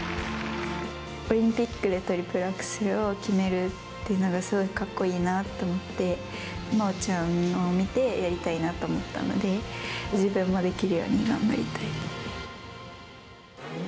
オリンピックでトリプルアクセルを決めるっていうのがすごくかっこいいなと思ってて、真央ちゃんのを見てやりたいなと思ったので、自分もできるように頑張りたい。